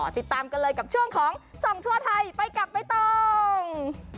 ติดตามกันเลยกับช่วงของส่องทั่วไทยไปกับใบตอง